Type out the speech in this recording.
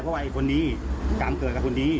เพราะว่าไอ้คนนี้กรรมเกิดกับคนนี้